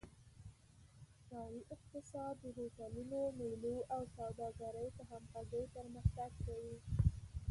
ښاري اقتصاد د هوټلونو، میلو او سوداګرۍ په همغږۍ پرمختګ کوي.